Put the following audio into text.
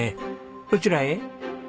どちらへ？